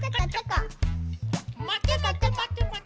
まてまてまてまてまて。